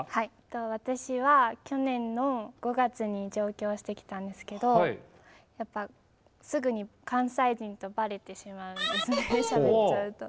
私は去年の５月に上京してきたんですけどやっぱすぐに関西人とバレてしまうんですねしゃべっちゃうと。